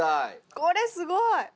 これすごい！